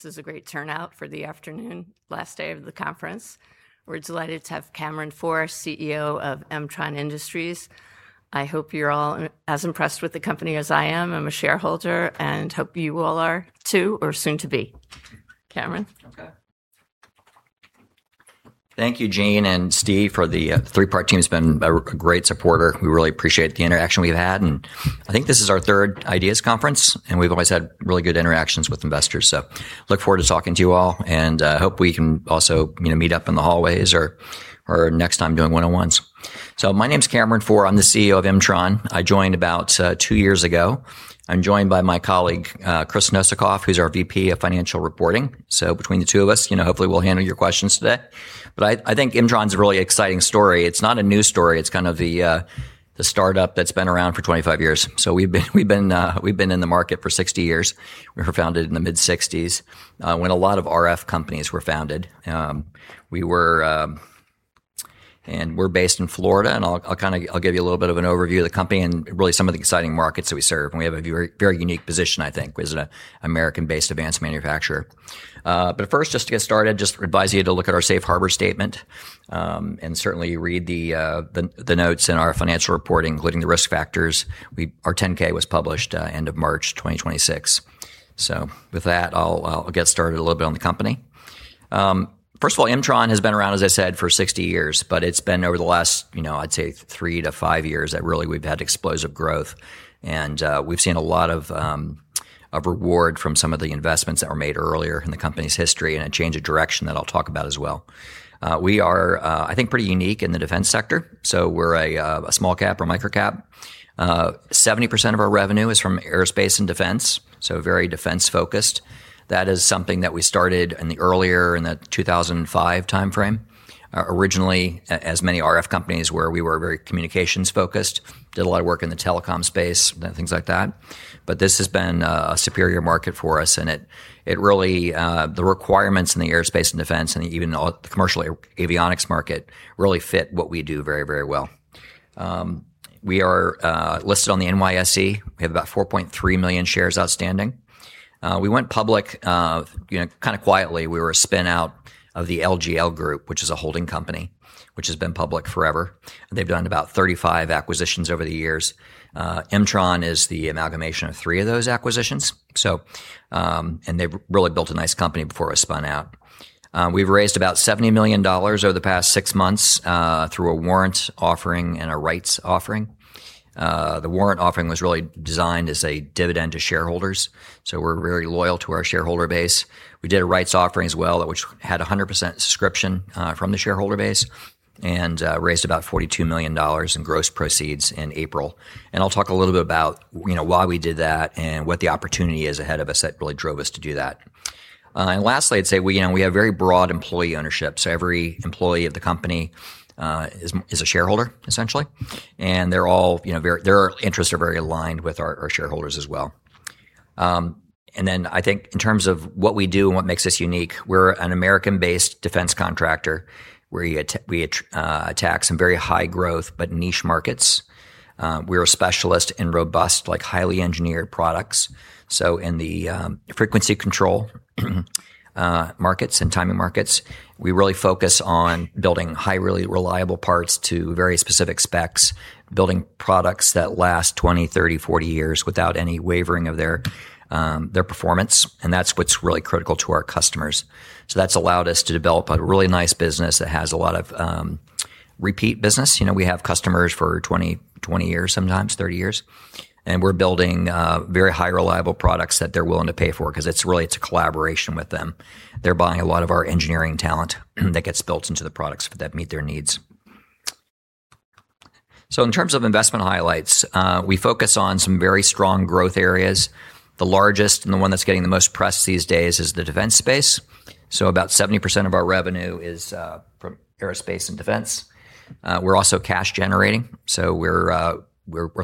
This is a great turnout for the afternoon, last day of the conference. We're delighted to have Cameron Pforr, CEO of M-tron Industries. I hope you're all as impressed with the company as I am. I'm a shareholder and hope you all are too, or soon to be. Cameron. Thank you, Jean and Steve for the Three Part Advisors team has been a great supporter. We really appreciate the interaction we've had, and I think this is our third IDEAS Conference, and we've always had really good interactions with investors. Look forward to talking to you all, and hope we can also meet up in the hallways or next time doing one-on-ones. My name's Cameron Pforr. I'm the CEO of M-tron. I joined about two years ago. I'm joined by my colleague, Chris Noskov, who's our VP of Financial Reporting. Between the two of us, hopefully, we'll handle your questions today. But I think M-tron's a really exciting story. It's not a new story. It's kind of the startup that's been around for 25 years. We've been in the market for 60 years. We were founded in the mid-'60s, when a lot of RF companies were founded. We are based in Florida, and I'll give you a little bit of an overview of the company and really some of the exciting markets that we serve, and we have a very unique position, I think, as an American-based advanced manufacturer. First, just to get started, just advise you to look at our safe harbor statement, and certainly read the notes in our financial reporting, including the risk factors. Our 10-K was published end of March 2026. With that, I'll get started a little bit on the company. First of all, M-tron has been around, as I said, for 60 years, but it's been over the last, I'd say three to five years that really we've had explosive growth. We've seen a lot of reward from some of the investments that were made earlier in the company's history and a change of direction that I'll talk about as well. We are, I think, pretty unique in the defense sector, so we're a small cap or microcap. 70% of our revenue is from aerospace and defense, so very defense-focused. That is something that we started in the earlier, in that 2005 timeframe. Originally, as many RF companies were, we were very communications focused, did a lot of work in the telecom space, things like that. But this has been a superior market for us, and the requirements in the aerospace and defense and even the commercial avionics market really fit what we do very well. We are listed on the NYSE. We have about 4.3 million shares outstanding. We went public kind of quietly. We were a spin-out of The LGL Group, which is a holding company, which has been public forever, they've done about 35 acquisitions over the years. M-tron is the amalgamation of three of those acquisitions. They've really built a nice company before it was spun out. We've raised about $70 million over the past six months, through a warrant offering and a rights offering. The warrant offering was really designed as a dividend to shareholders, so we're very loyal to our shareholder base. We did a rights offering as well, which had 100% subscription from the shareholder base, and raised about $42 million in gross proceeds in April. I'll talk a little bit about why we did that and what the opportunity is ahead of us that really drove us to do that. Lastly, I'd say we have very broad employee ownership, so every employee of the company is a shareholder, essentially. Their interests are very aligned with our shareholders as well. I think in terms of what we do and what makes us unique, we're an American-based defense contractor where we attack some very high growth but niche markets. We're a specialist in robust, highly engineered products. In the frequency control markets and timing markets, we really focus on building highly reliable parts to very specific specs, building products that last 20, 30, 40 years without any wavering of their performance. That's what's really critical to our customers. That's allowed us to develop a really nice business that has a lot of repeat business. We have customers for 20 years, sometimes 30 years, and we're building very high reliable products that they're willing to pay for because it's a collaboration with them. They're buying a lot of our engineering talent that gets built into the products that meet their needs. In terms of investment highlights, we focus on some very strong growth areas. The largest and the one that's getting the most press these days is the defense space. About 70% of our revenue is from aerospace and defense. We're also cash generating, so we're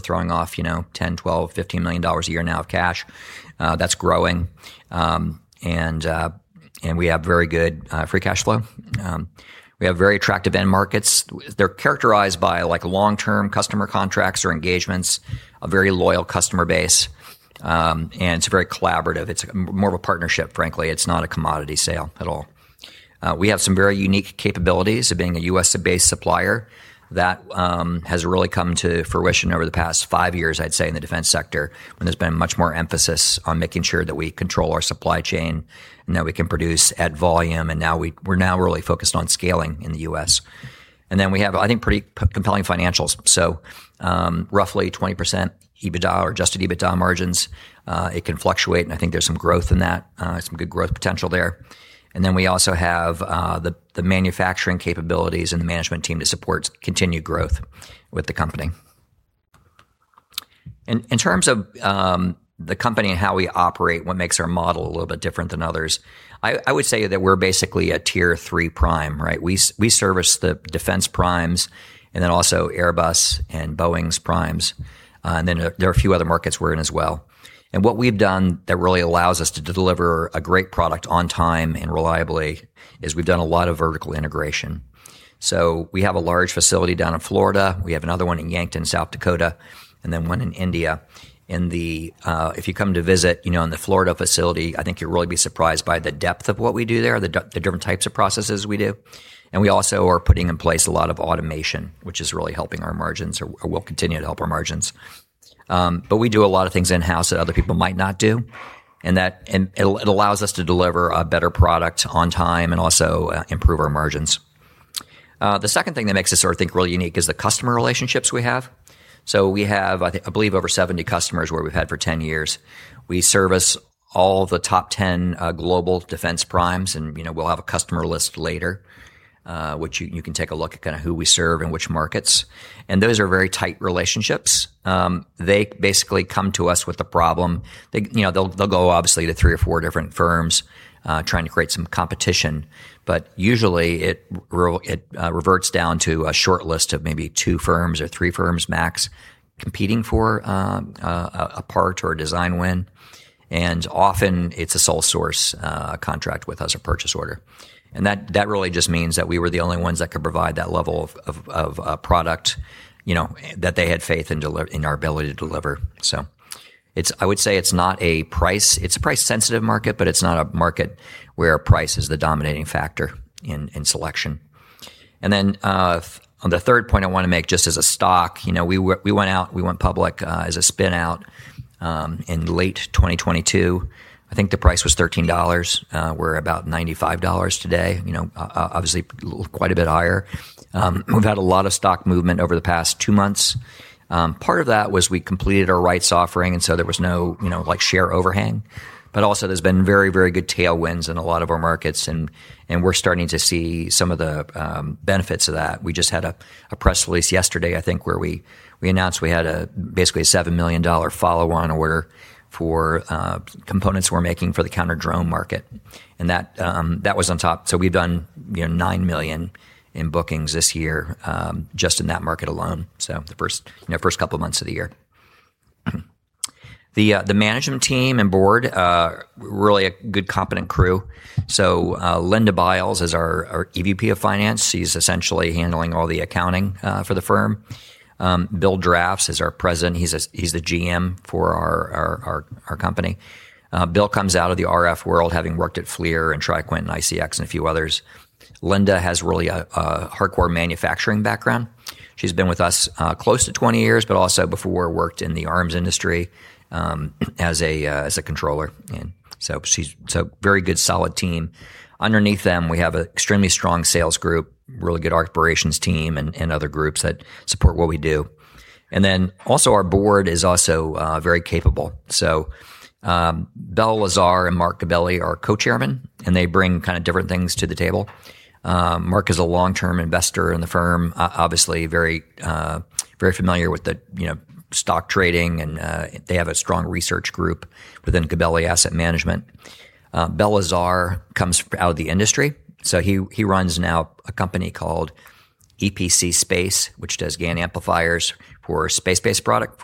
throwing off $10 million, $12 million, $15 million a year now of cash. That's growing. We have very good free cash flow. We have very attractive end markets. They're characterized by long-term customer contracts or engagements, a very loyal customer base, and it's very collaborative. It's more of a partnership, frankly. It's not a commodity sale at all. We have some very unique capabilities of being a U.S.-based supplier. That has really come to fruition over the past five years, I'd say, in the defense sector, when there's been much more emphasis on making sure that we control our supply chain and that we can produce at volume. We're now really focused on scaling in the U.S. We have, I think, pretty compelling financials, so roughly 20% EBITDA or adjusted EBITDA margins. It can fluctuate, and I think there's some growth in that, some good growth potential there. We also have the manufacturing capabilities and the management team to support continued growth with the company. In terms of the company and how we operate, what makes our model a little bit different than others, I would say that we're basically a Tier 3 prime, right? We service the defense primes and then also Airbus and Boeing's primes, there are a few other markets we're in as well. What we've done that really allows us to deliver a great product on time and reliably is we've done a lot of vertical integration. We have a large facility down in Florida. We have another one in Yankton, South Dakota, and then one in India. If you come to visit in the Florida facility, I think you'll really be surprised by the depth of what we do there, the different types of processes we do. We also are putting in place a lot of automation, which is really helping our margins, or will continue to help our margins. We do a lot of things in-house that other people might not do, it allows us to deliver a better product on time and also improve our margins. The second thing that makes us sort of think really unique is the customer relationships we have. We have, I believe, over 70 customers where we've had for 10 years. We service all the top 10 global defense primes, and we'll have a customer list later, which you can take a look at kind of who we serve and which markets. Those are very tight relationships. They basically come to us with a problem. They'll go, obviously, to three or four different firms, trying to create some competition. Usually, it reverts down to a short list of maybe two firms or three firms max competing for a part or a design win. Often, it's a sole source contract with us, a purchase order. That really just means that we were the only ones that could provide that level of product, that they had faith in our ability to deliver. I would say it's a price-sensitive market, it's not a market where price is the dominating factor in selection. On the third point I want to make, just as a stock, we went public as a spin-out in late 2022. I think the price was $13. We're about $95 today. Obviously, quite a bit higher. We've had a lot of stock movement over the past two months. Part of that was we completed our rights offering, there was no share overhang. Also, there's been very, very good tailwinds in a lot of our markets, we're starting to see some of the benefits of that. We just had a press release yesterday, I think, where we announced we had basically a $7 million follow-on order for components we're making for the counter-drone market. That was on top. We've done $9 million in bookings this year, just in that market alone, the first couple of months of the year. The management team and board, really a good competent crew. Linda Biles is our EVP of Finance. She's essentially handling all the accounting for the firm. Bill Drafts is our president. He's the GM for our company. Bill comes out of the RF world, having worked at FLIR and TriQuint and ICx and a few others. Linda has really a hardcore manufacturing background. She's been with us close to 20 years, but also before worked in the arms industry as a controller. She's a very good, solid team. Underneath them, we have an extremely strong sales group, really good operations team, and other groups that support what we do. Our board is also very capable. Bel Lazar and Mario Gabelli are co-chairmen, and they bring kind of different things to the table. Mario is a long-term investor in the firm, obviously very familiar with the stock trading, and they have a strong research group within Gabelli Asset Management. Bel Lazar comes out of the industry. He runs now a company called EPC Space, which does GaN amplifiers for space-based product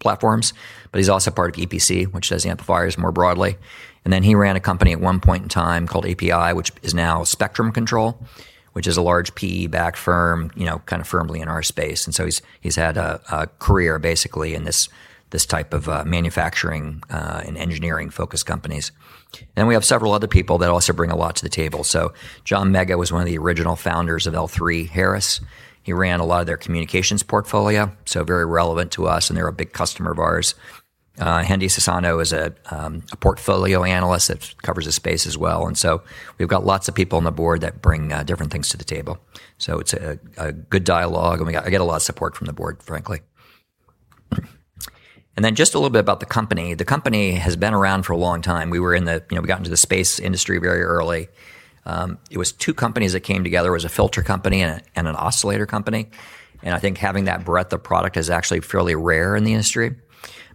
platforms. But he's also part of EPC, which does amplifiers more broadly. He ran a company at one point in time called API, which is now Spectrum Control, which is a large PE-backed firm, kind of firmly in our space. He's had a career basically in this type of manufacturing and engineering-focused companies. We have several other people that also bring a lot to the table. John Mega was one of the original founders of L3Harris. He ran a lot of their communications portfolio, so very relevant to us, and they're a big customer of ours. Hendy Siswanto is a portfolio analyst that covers the space as well. We've got lots of people on the board that bring different things to the table. It's a good dialogue, and I get a lot of support from the board, frankly. Just a little bit about the company. The company has been around for a long time. We got into the space industry very early. It was two companies that came together. It was a filter company and an oscillator company. I think having that breadth of product is actually fairly rare in the industry.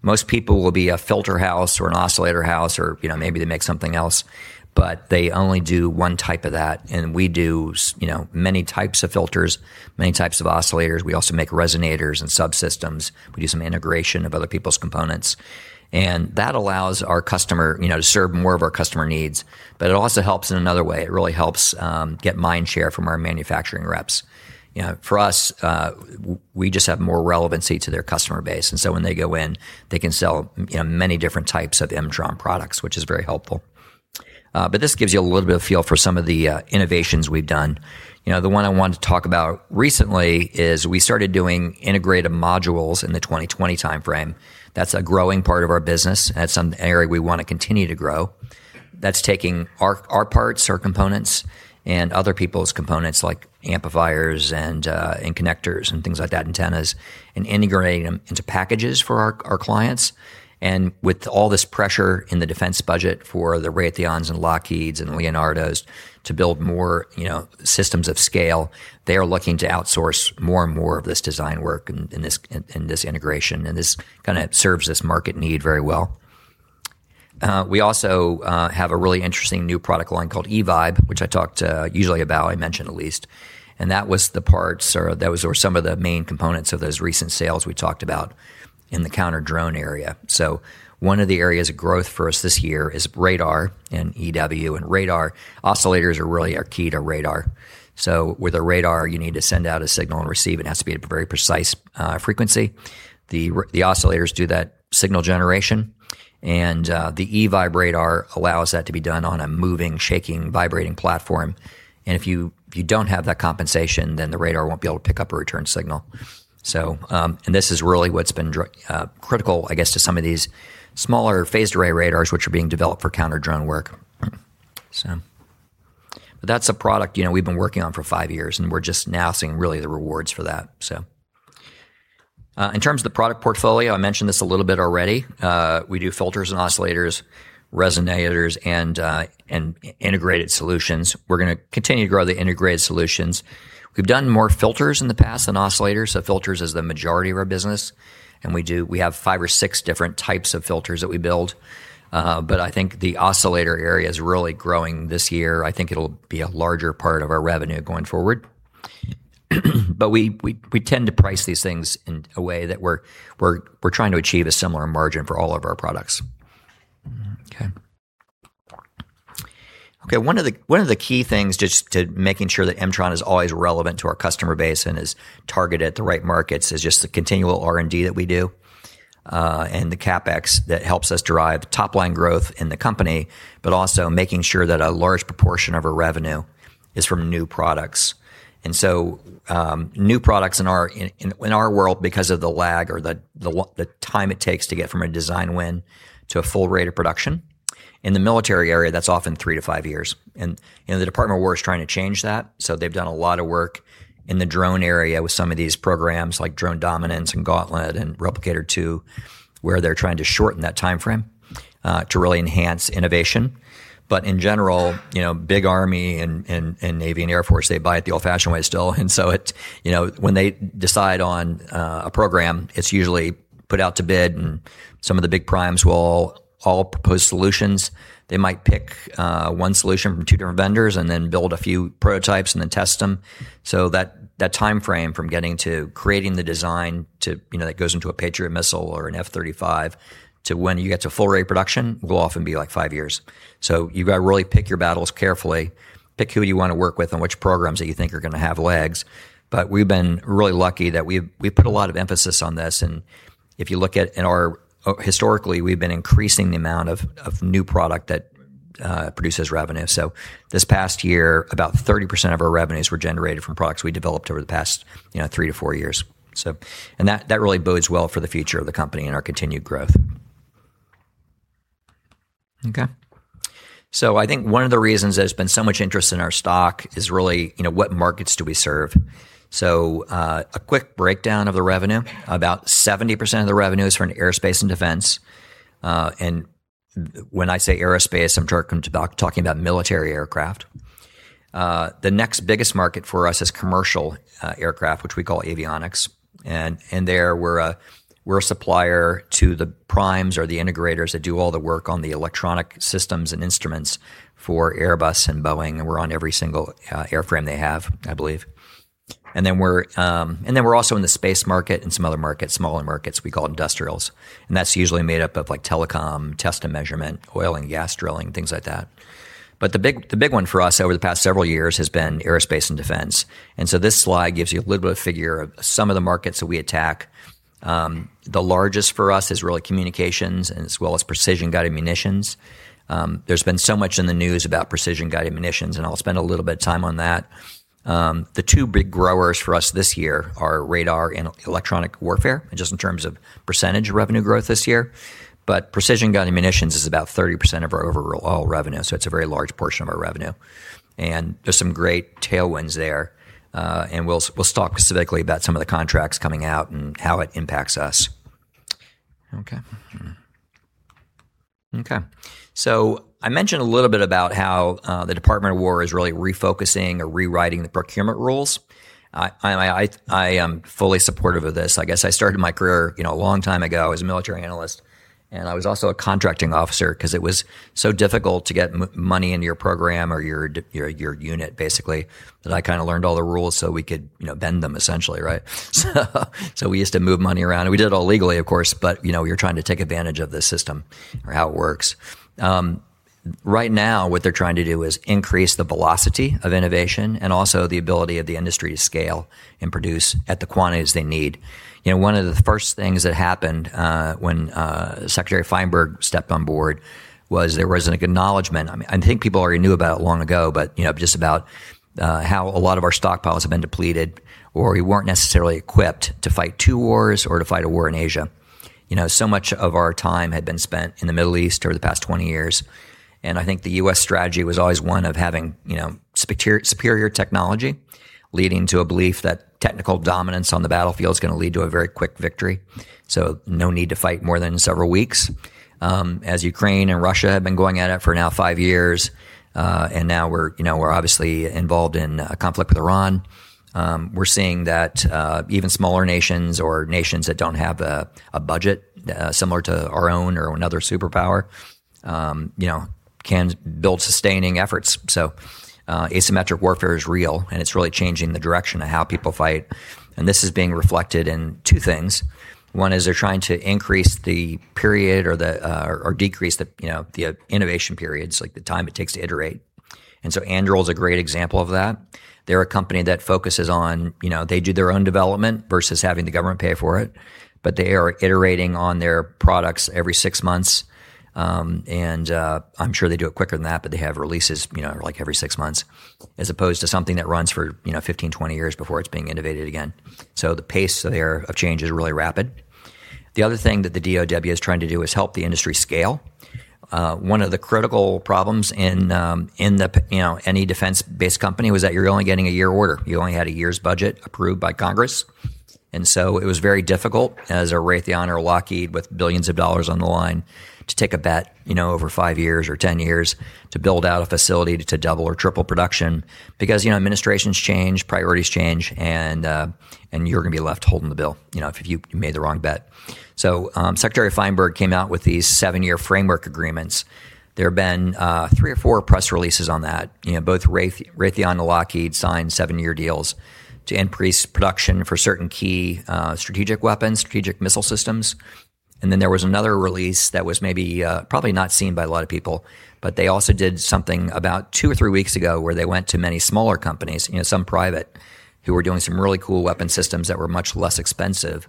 Most people will be a filter house or an oscillator house or maybe they make something else, but they only do one type of that. We do many types of filters, many types of oscillators. We also make resonators and subsystems. We do some integration of other people's components. That allows our customer to serve more of our customer needs. It also helps in another way. It really helps get mind share from our manufacturing reps. For us, we just have more relevancy to their customer base. When they go in, they can sell many different types of M-tron products, which is very helpful. This gives you a little bit of a feel for some of the innovations we've done. The one I wanted to talk about recently is we started doing integrated modules in the 2020 timeframe. That's a growing part of our business. That's an area we want to continue to grow. That's taking our parts, our components, and other people's components like amplifiers and connectors and things like that, antennas, and integrating them into packages for our clients. With all this pressure in the defense budget for the Raytheons and Lockheeds and Leonardos to build more systems of scale, they are looking to outsource more and more of this design work and this integration. This kind of serves this market need very well. We also have a really interesting new product line called e-Vibe, which I talked usually about, I mention the least. That was the parts, or those were some of the main components of those recent sales we talked about in the counter-drone area. One of the areas of growth for us this year is radar and EW. Radar oscillators are really our key to radar. With a radar, you need to send out a signal and receive. It has to be at a very precise frequency. The oscillators do that signal generation, and the e-Vibe radar allows that to be done on a moving, shaking, vibrating platform. If you don't have that compensation, then the radar won't be able to pick up a return signal. This is really what's been critical, I guess, to some of these smaller phased array radars, which are being developed for counter-drone work. That's a product we've been working on for five years, and we're just now seeing really the rewards for that, so. In terms of the product portfolio, I mentioned this a little bit already. We do filters and oscillators, resonators, and integrated solutions. We're going to continue to grow the integrated solutions. We've done more filters in the past than oscillators, so filters is the majority of our business, and we have five or six different types of filters that we build. I think the oscillator area is really growing this year. I think it'll be a larger part of our revenue going forward. We tend to price these things in a way that we're trying to achieve a similar margin for all of our products. Okay. One of the key things just to making sure that M-tron is always relevant to our customer base and is targeted at the right markets is just the continual R&D that we do, and the CapEx that helps us derive top-line growth in the company, but also making sure that a large proportion of our revenue is from new products. New products in our world, because of the lag or the time it takes to get from a design win to a full rate of production, in the military area, that's often three to five years. The Department of War is trying to change that, so they've done a lot of work in the drone area with some of these programs like Drone Dominance and Gauntlet and Replicator two, where they're trying to shorten that timeframe to really enhance innovation. In general, big Army and Navy and Air Force, they buy it the old-fashioned way still. When they decide on a program, it's usually put out to bid, and some of the big primes will all propose solutions. They might pick one solution from two different vendors and then build a few prototypes and then test them. That timeframe from getting to creating the design that goes into a Patriot missile or an F-35 to when you get to full rate of production will often be five years. You've got to really pick your battles carefully, pick who you want to work with and which programs that you think are going to have legs. We've been really lucky that we've put a lot of emphasis on this, and if you look at historically, we've been increasing the amount of new product that produces revenue. This past year, about 30% of our revenues were generated from products we developed over the past three to four years. That really bodes well for the future of the company and our continued growth. I think one of the reasons there's been so much interest in our stock is really what markets do we serve. A quick breakdown of the revenue. About 70% of the revenue is from aerospace and defense, and when I say aerospace, I'm talking about military aircraft. The next biggest market for us is commercial aircraft, which we call avionics. There, we're a supplier to the primes or the integrators that do all the work on the electronic systems and instruments for Airbus and Boeing, and we're on every single airframe they have, I believe. We're also in the space market and some other markets, smaller markets we call industrials, and that's usually made up of telecom, test and measurement, oil and gas drilling, things like that. The big one for us over the past several years has been aerospace and defense. This slide gives you a little bit of figure of some of the markets that we attack. The largest for us is really communications as well as precision-guided munitions. There's been so much in the news about precision-guided munitions, I'll spend a little bit of time on that. The two big growers for us this year are radar and electronic warfare, just in terms of percentage of revenue growth this year. Precision-guided munitions is about 30% of our overall revenue, so it's a very large portion of our revenue. There's some great tailwinds there. We'll talk specifically about some of the contracts coming out and how it impacts us. I mentioned a little bit about how the Department of Defense is really refocusing or rewriting the procurement rules. I am fully supportive of this. I guess I started my career a long time ago as a military analyst, I was also a contracting officer because it was so difficult to get money into your program or your unit, basically, that I kind of learned all the rules so we could bend them essentially, right? We used to move money around, we did it all legally, of course, but you're trying to take advantage of the system or how it works. Right now, what they're trying to do is increase the velocity of innovation and also the ability of the industry to scale and produce at the quantities they need. One of the first things that happened when Secretary Feinberg stepped on board was there was an acknowledgment, I think people already knew about it long ago, but just about how a lot of our stockpiles have been depleted, or we weren't necessarily equipped to fight two wars or to fight a war in Asia. Much of our time had been spent in the Middle East over the past 20 years, and I think the U.S. strategy was always one of having superior technology, leading to a belief that technical dominance on the battlefield is going to lead to a very quick victory. No need to fight more than several weeks. As Ukraine and Russia have been going at it for now five years, and now we're obviously involved in a conflict with Iran. We're seeing that even smaller nations or nations that don't have a budget similar to our own or another superpower can build sustaining efforts. Asymmetric warfare is real, and it's really changing the direction of how people fight, and this is being reflected in two things. One is they're trying to increase the period or decrease the innovation periods, like the time it takes to iterate. Anduril is a great example of that. They're a company that focuses on, they do their own development versus having the government pay for it, but they are iterating on their products every six months, and I'm sure they do it quicker than that, but they have releases every six months as opposed to something that runs for 15, 20 years before it's being innovated again. The pace there of change is really rapid. The other thing that the DOD is trying to do is help the industry scale. One of the critical problems in any defense-based company was that you're only getting a year order. You only had a year's budget approved by Congress. It was very difficult as a Raytheon or Lockheed with billions of dollars on the line to take a bet over five years or 10 years to build out a facility to double or triple production because administrations change, priorities change, and you're going to be left holding the bill if you made the wrong bet. Secretary Feinberg came out with these seven-year framework agreements. There have been three or four press releases on that. Both Raytheon and Lockheed signed seven-year deals to increase production for certain key strategic weapons, strategic missile systems. There was another release that was probably not seen by a lot of people, but they also did something about two or three weeks ago where they went to many smaller companies, some private, who were doing some really cool weapon systems that were much less expensive,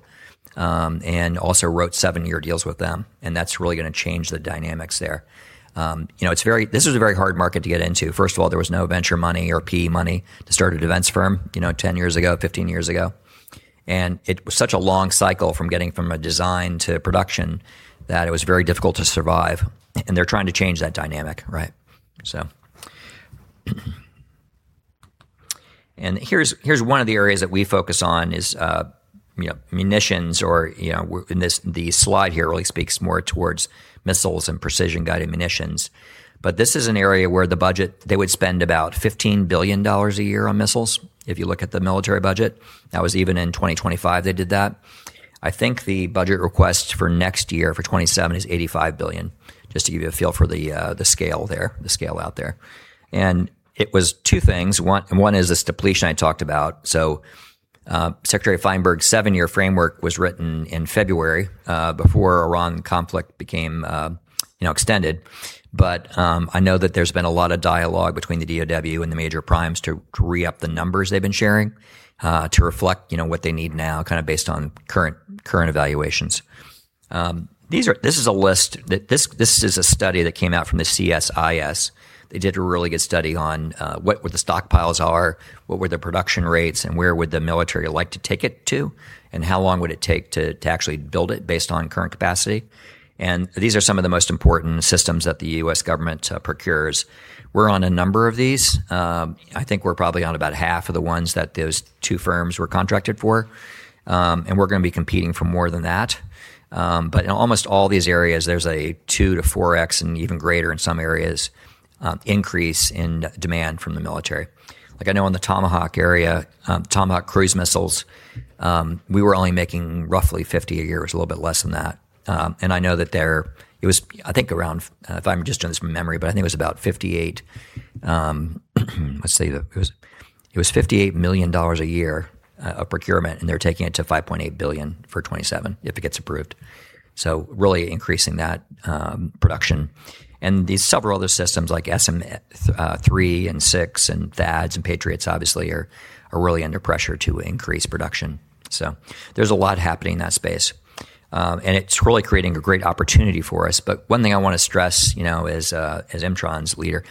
and also wrote seven-year deals with them. That's really going to change the dynamics there. This was a very hard market to get into. First of all, there was no venture money or PE money to start a defense firm 10 years ago, 15 years ago. It was such a long cycle from getting from a design to production that it was very difficult to survive, and they're trying to change that dynamic, right? Here's one of the areas that we focus on is munitions or, the slide here really speaks more towards missiles and precision-guided munitions. This is an area where the budget, they would spend about $15 billion a year on missiles, if you look at the military budget. That was even in 2025, they did that. I think the budget request for next year for 2027 is $85 billion, just to give you a feel for the scale out there. It was two things. One is this depletion I talked about. Secretary Feinberg's seven-year framework was written in February, before Iran conflict became extended. I know that there's been a lot of dialogue between the DOD and the major primes to re-up the numbers they've been sharing, to reflect what they need now, kind of based on current evaluations. This is a study that came out from the CSIS. They did a really good study on what would the stockpiles are, what were the production rates, and where would the military like to take it to, and how long would it take to actually build it based on current capacity. These are some of the most important systems that the U.S. government procures. We're on a number of these. I think we're probably on about half of the ones that those two firms were contracted for. We're going to be competing for more than that. In almost all these areas, there's a 2x-4x and even greater in some areas, increase in demand from the military. I know in the Tomahawk area, Tomahawk cruise missiles, we were only making roughly 50 a year. It was a little bit less than that. I know that there, it was, I think around, if I'm just doing this from memory, but I think it was about $58 million, let's say it was $58 million a year of procurement, and they're taking it to $5.8 billion for 2027 if it gets approved. Really increasing that production. These several other systems like SM-3 and SM-6 and THAADs and Patriots obviously are really under pressure to increase production. There's a lot happening in that space. It's really creating a great opportunity for us. One thing I want to stress as M-tron's leader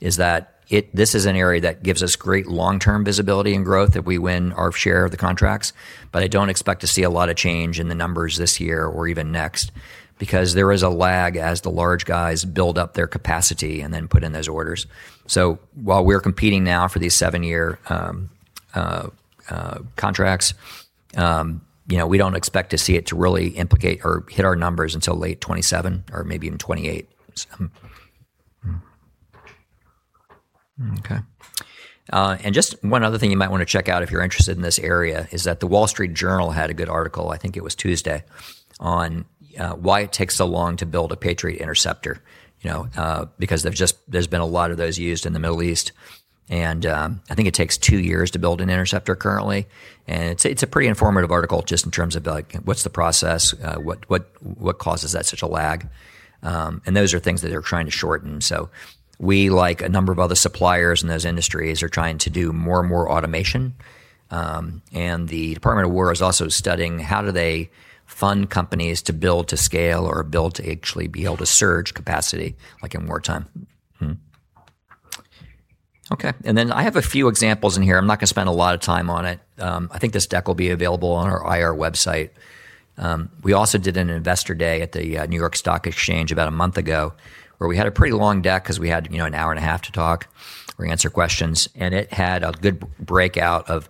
is that this is an area that gives us great long-term visibility and growth if we win our share of the contracts. I don't expect to see a lot of change in the numbers this year or even next, because there is a lag as the large guys build up their capacity and then put in those orders. While we're competing now for these seven-year contracts, we don't expect to see it to really implicate or hit our numbers until late 2027 or maybe even 2028. Okay. Just one other thing you might want to check out if you're interested in this area is that The Wall Street Journal had a good article, I think it was Tuesday, on why it takes so long to build a Patriot interceptor. Because there's been a lot of those used in the Middle East. I think it takes two years to build an interceptor currently. It's a pretty informative article just in terms of what's the process, what causes that such a lag. Those are things that they're trying to shorten. We, like a number of other suppliers in those industries, are trying to do more and more automation. The Department of War is also studying how do they fund companies to build to scale or build to actually be able to surge capacity, like in wartime. Okay. I have a few examples in here. I'm not going to spend a lot of time on it. I think this deck will be available on our IR website. We also did an investor day at the New York Stock Exchange about a month ago, where we had a pretty long deck because we had an hour and a half to talk or answer questions. It had a good breakout of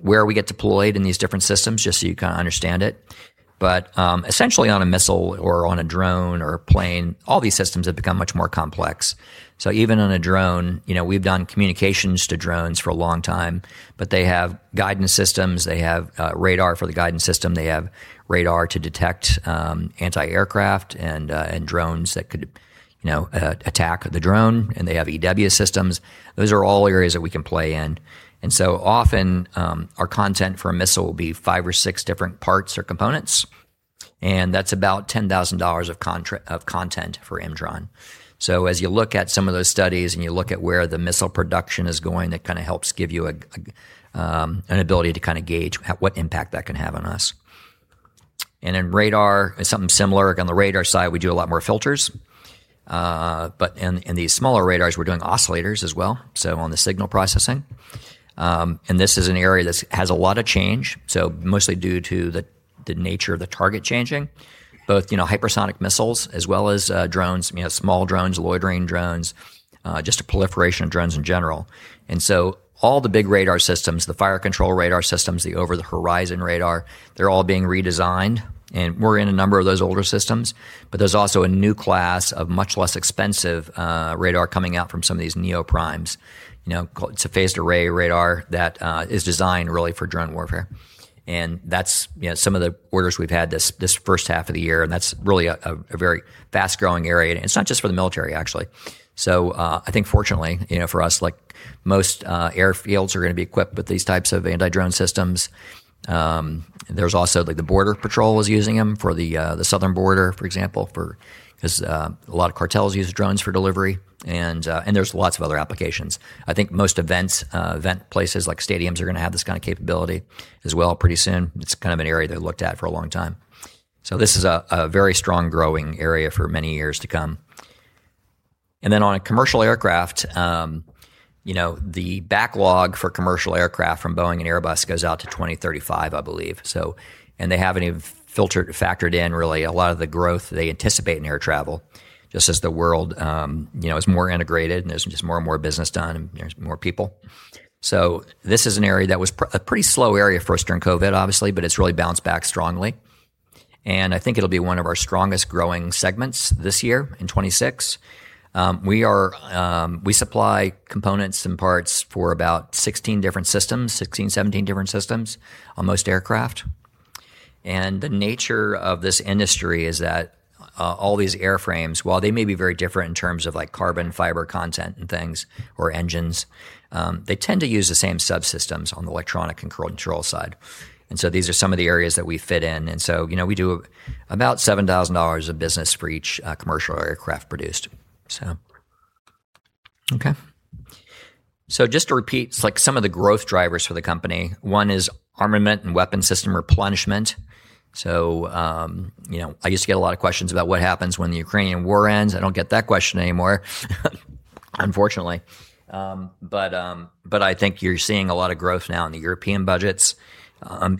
where we get deployed in these different systems, just so you kind of understand it. Essentially on a missile or on a drone or a plane, all these systems have become much more complex. Even on a drone, we've done communications to drones for a long time, but they have guidance systems. They have radar for the guidance system. They have radar to detect anti-aircraft and drones that could attack the drone, and they have EW systems. Those are all areas that we can play in. Often, our content for a missile will be five or six different parts or components, and that's about $10,000 of content for M-tron. As you look at some of those studies and you look at where the missile production is going, that kind of helps give you an ability to kind of gauge what impact that can have on us. In radar, it's something similar. On the radar side, we do a lot more filters. But in these smaller radars, we're doing oscillators as well, so on the signal processing. This is an area that has a lot of change, so mostly due to the nature of the target changing, both hypersonic missiles as well as drones. You have small drones, loitering drones, just a proliferation of drones in general. All the big radar systems, the fire control radar systems, the over-the-horizon radar, they're all being redesigned, and we're in a number of those older systems. There's also a new class of much less expensive radar coming out from some of these neo-primes. It's a phased array radar that is designed really for drone warfare. That's some of the orders we've had this first half of the year, and that's really a very fast-growing area. It's not just for the military, actually. I think fortunately, for us, most airfields are going to be equipped with these types of anti-drone systems. There's also the border patrol is using them for the southern border, for example, because a lot of cartels use drones for delivery, and there's lots of other applications. I think most event places like stadiums are going to have this kind of capability as well pretty soon. It's kind of an area they've looked at for a long time. This is a very strong growing area for many years to come. On a commercial aircraft, the backlog for commercial aircraft from Boeing and Airbus goes out to 2035, I believe. They haven't even factored in really a lot of the growth they anticipate in air travel, just as the world is more integrated and there's just more and more business done and there's more people. This is an area that was a pretty slow area for us during COVID, obviously, but it's really bounced back strongly. I think it'll be one of our strongest growing segments this year in 2026. We supply components and parts for about 16 different systems, 16, 17 different systems on most aircraft. The nature of this industry is that all these airframes, while they may be very different in terms of carbon fiber content and things, or engines, they tend to use the same subsystems on the electronic control side. These are some of the areas that we fit in. We do about $7,000 of business for each commercial aircraft produced. Okay. Just to repeat some of the growth drivers for the company. One is armament and weapon system replenishment. I used to get a lot of questions about what happens when the Ukrainian war ends. I don't get that question anymore, unfortunately. I think you're seeing a lot of growth now in the European budgets.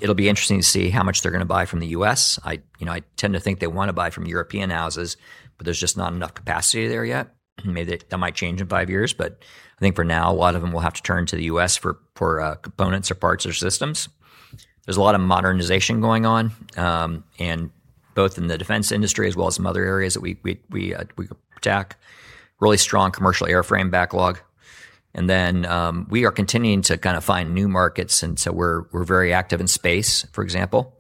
It'll be interesting to see how much they're going to buy from the U.S. I tend to think they want to buy from European houses, but there's just not enough capacity there yet. That might change in five years, but I think for now, a lot of them will have to turn to the U.S. for components or parts or systems. There's a lot of modernization going on, both in the defense industry as well as some other areas that we attack. Really strong commercial airframe backlog. We are continuing to kind of find new markets, and so we're very active in space, for example.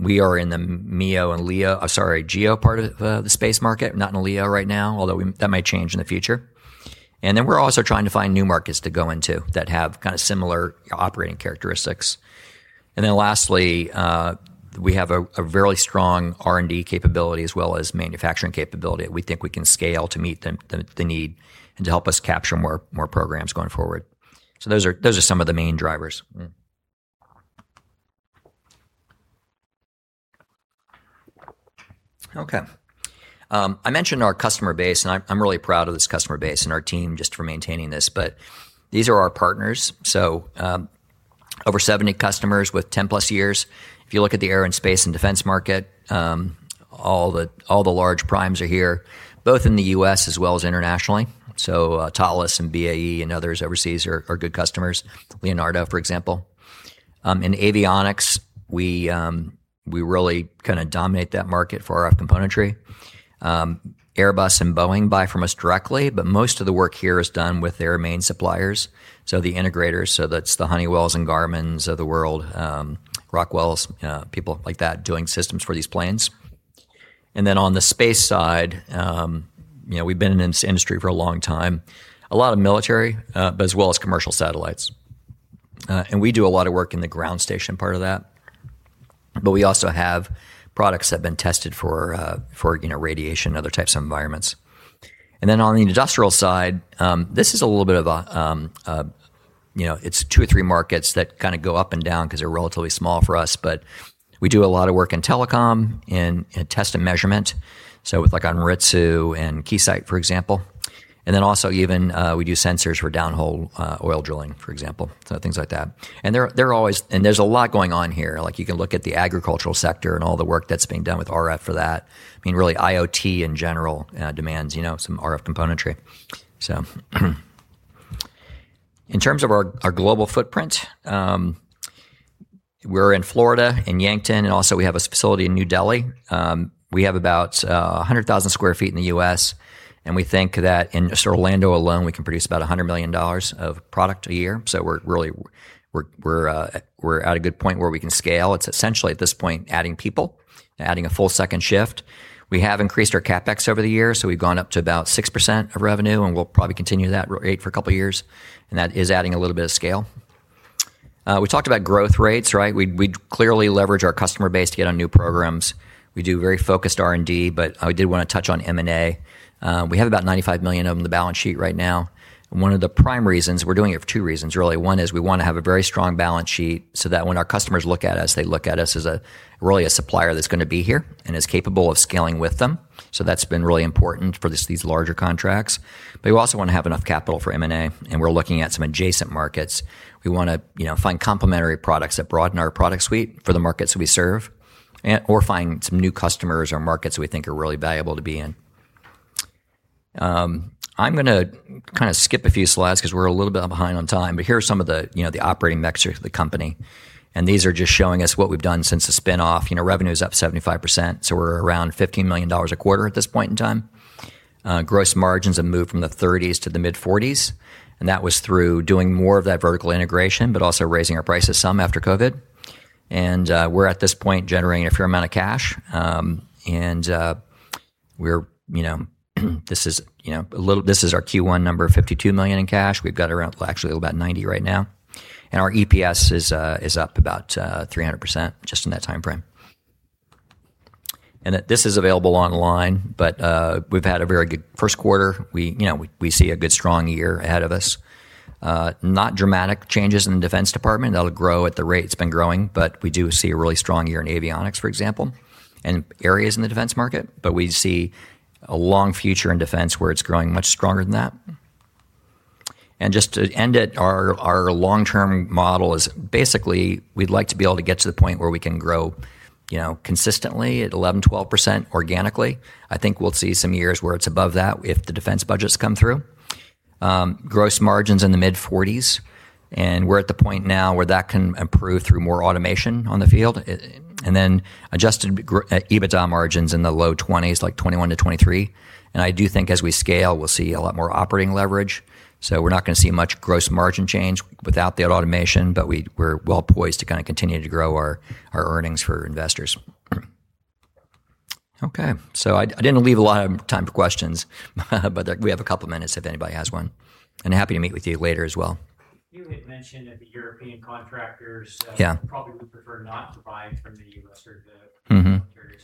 We are in the MEO and GEO part of the space market, not in LEO right now, although that might change in the future. We're also trying to find new markets to go into that have kind of similar operating characteristics. Lastly, we have a very strong R&D capability as well as manufacturing capability that we think we can scale to meet the need and to help us capture more programs going forward. Those are some of the main drivers. Okay. I mentioned our customer base, I'm really proud of this customer base and our team just for maintaining this, but these are our partners. Over 70 customers with 10+ years. If you look at the air and space and defense market, all the large primes are here, both in the U.S. as well as internationally. Thales and BAE and others overseas are good customers. Leonardo, for example. In avionics, we really kind of dominate that market for RF componentry. Airbus and Boeing buy from us directly, but most of the work here is done with their main suppliers. The integrators, so that's the Honeywells and Garmins of the world, Rockwells, people like that, doing systems for these planes. then on the space side, we've been in this industry for a long time. A lot of military, but as well as commercial satellites. we do a lot of work in the ground station part of that, but we also have products that have been tested for radiation and other types of environments. then on the industrial side, this is a little bit of a. It's two or three markets that kind of go up and down because they're relatively small for us. we do a lot of work in telecom and test and measurement, so with like on Anritsu and Keysight, for example. then also even we do sensors for downhole oil drilling, for example. things like that. There's a lot going on here. You can look at the agricultural sector and all the work that's being done with RF for that. I mean, really IoT in general demands some RF componentry. So, in terms of our global footprint, we're in Florida, in Yankton, and also we have a facility in New Delhi. We have about 100,000 sq ft in the U.S., and we think that in just Orlando alone, we can produce about $100 million of product a year. So we're at a good point where we can scale. It's essentially at this point adding people, adding a full second shift. We have increased our CapEx over the years, so we've gone up to about 6% of revenue, and we'll probably continue that rate for a couple of years. And that is adding a little bit of scale. We talked about growth rates, right? We clearly leverage our customer base to get on new programs. We do very focused R&D, but I did want to touch on M&A. We have about $95 million of the balance sheet right now, and one of the prime reasons-- We're doing it for two reasons, really. One is we want to have a very strong balance sheet so that when our customers look at us, they look at us as really a supplier that's going to be here and is capable of scaling with them. So that's been really important for these larger contracts. But we also want to have enough capital for M&A, and we're looking at some adjacent markets. We want to find complementary products that broaden our product suite for the markets that we serve, or find some new customers or markets we think are really valuable to be in. I'm going to kind of skip a few slides because we're a little bit behind on time, but here are some of the operating metrics of the company, and these are just showing us what we've done since the spin-off. Revenue is up 75%, so we're around $15 million a quarter at this point in time. Gross margins have moved from the 30s to the mid-40s, and that was through doing more of that vertical integration, but also raising our prices some after COVID. And we're at this point generating a fair amount of cash. This is our Q1 number of $52 million in cash. We've got around, actually, about $90 right now. And our EPS is up about 300% just in that timeframe. And this is available online, but we've had a very good first quarter. We see a good, strong year ahead of us. Not dramatic changes in the Defense Department. That'll grow at the rate it's been growing, we do see a really strong year in avionics, for example, and areas in the defense market. We see a long future in defense where it's growing much stronger than that. Just to end it, our long-term model is basically, we'd like to be able to get to the point where we can grow consistently at 11%-12% organically. I think we'll see some years where it's above that if the defense budgets come through. Gross margins in the mid-40s, and we're at the point now where that can improve through more automation on the field. Then adjusted EBITDA margins in the low 20s, like 21%-23%. I do think as we scale, we'll see a lot more operating leverage. We're not going to see much gross margin change without that automation, we're well poised to kind of continue to grow our earnings for investors. Okay. I didn't leave a lot of time for questions, we have a couple of minutes if anybody has one, and happy to meet with you later as well. You had mentioned that the European contractors probably would prefer not to buy from the U.S. or the militaries.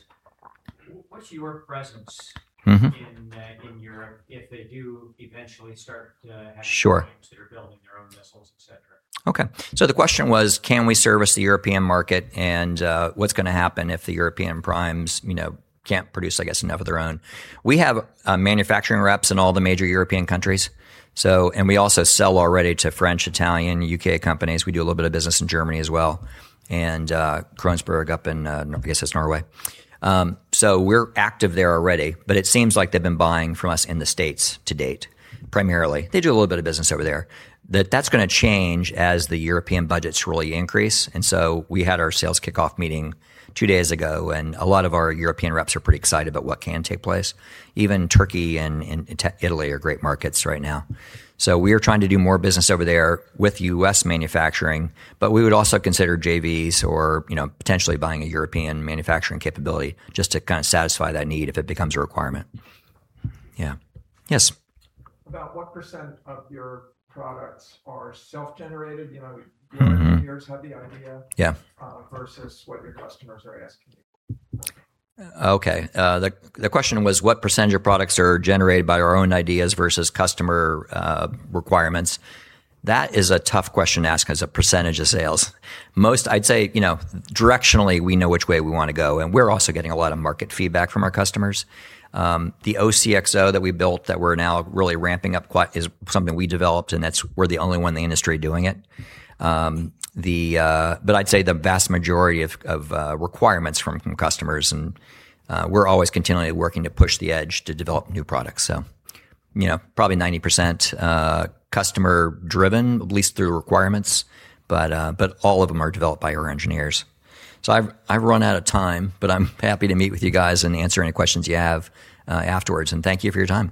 What's your presence in Europe if they do eventually start having primes that are building their own missiles, et cetera? Okay. The question was, can we service the European market, and what's going to happen if the European primes can't produce, I guess, enough of their own? We have manufacturing reps in all the major European countries. We also sell already to French, Italian, U.K. companies. We do a little bit of business in Germany as well, Kongsberg up in, I guess that's Norway. We're active there already, it seems like they've been buying from us in the States to date, primarily. They do a little bit of business over there. That's going to change as the European budgets really increase. We had our sales kickoff meeting two days ago, a lot of our European reps are pretty excited about what can take place. Even Turkey and Italy are great markets right now. We are trying to do more business over there with U.S. manufacturing, we would also consider JVs or potentially buying a European manufacturing capability just to kind of satisfy that need if it becomes a requirement. Yes. About what percent of your products are self-generated? Your engineers have the idea versus what your customers are asking you. The question was what percent of products are generated by our own ideas versus customer requirements. That is a tough question to ask as a percent of sales. Most, I'd say, directionally, we know which way we want to go, we're also getting a lot of market feedback from our customers. The OCXO that we built that we're now really ramping up is something we developed, we're the only one in the industry doing it. I'd say the vast majority of requirements from customers, we're always continually working to push the edge to develop new products. Probably 90% customer-driven, at least through requirements, all of them are developed by our engineers. I've run out of time, but I'm happy to meet with you guys and answer any questions you have afterwards, and thank you for your time.